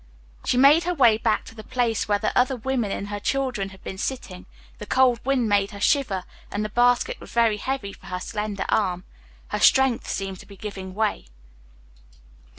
She made her way back to the place where the other woman and her children had been sitting; the cold wind made her shiver, and the basket was very heavy for her slender arm. Her strength seemed to be giving way.